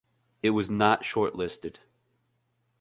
It was not shortlisted.